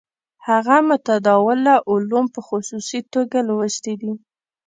هغه متداوله علوم په خصوصي توګه لوستي دي.